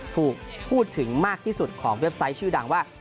ถูกพูดถึงมากที่สุดของเว็บไซต์ชื่อดังว่า